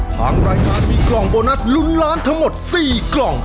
ทางรายการมีกล่องโบนัสลุ้นล้านทั้งหมด๔กล่อง